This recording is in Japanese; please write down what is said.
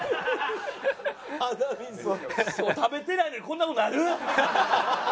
食べてないのにこんな事なる？